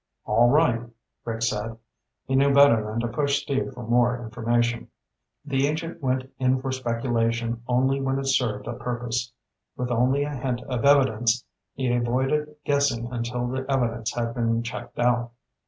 "All right," Rick said. He knew better than to push Steve for more information. The agent went in for speculation only when it served a purpose. With only a hint of evidence, he avoided guessing until the evidence had been checked out.